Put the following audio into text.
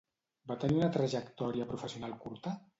Va tenir una trajectòria professional curta?